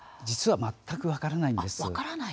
実は全く分からないんです。